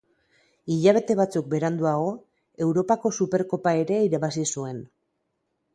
Hilabete batzuk beranduago Europako Superkopa ere irabazi zuen.